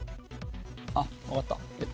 あっわかった。